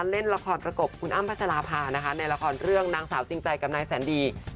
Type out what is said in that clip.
เล่นละครประกบคุณอ้ำพัชราภานะคะในละครเรื่องนางสาวจริงใจกับนายแสนดี